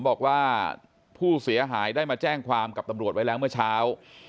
บอกว่าผู้เสียหายได้มาแจ้งความกับตำรวจไว้แล้วเมื่อเช้า